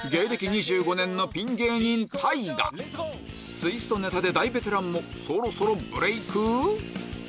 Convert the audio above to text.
ツイストネタで大ベテランもそろそろブレイク？